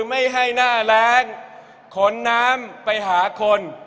ไม่ให้หน้าแรงขนน้ำไปหาคน